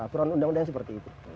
peraturan undang undang seperti itu